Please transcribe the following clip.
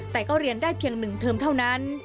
แต่ก็เรียนได้เพียง๑เทอมเท่านั้น